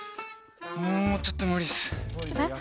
もうちょっと無理っすえっ？